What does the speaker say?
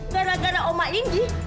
gara gara oma indi